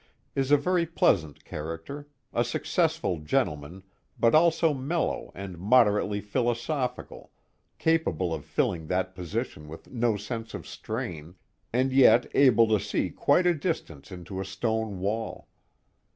is a very pleasant character, a successful gentleman but also mellow and moderately philosophical, capable of filling that position with no sense of strain, and yet able to see quite a distance into a stone wall.